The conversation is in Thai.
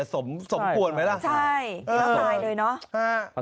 สมปวดไหมล่ะใช่ยาฆ่าตายเลยเนาะ